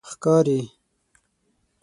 ښکاری